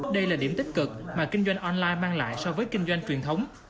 đây là điểm tích cực mà kinh doanh online mang lại so với kinh doanh truyền thống